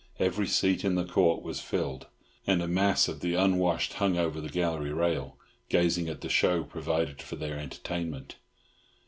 Every seat in the Court was filled, and a mass of the unwashed hung over the gallery rail, gazing at the show provided for their entertainment.